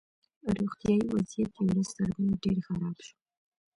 روغتیایي وضعیت یې ورځ تر بلې ډېر خراب شو